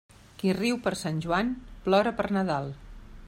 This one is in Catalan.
Qui riu per Sant Joan, plora per Nadal.